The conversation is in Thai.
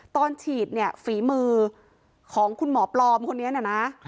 ตอนฉีดเนี่ยฝีมือของคุณหมอปลอมคนนี้นะ